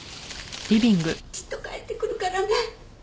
きっと帰ってくるからね。